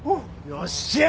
よっしゃー！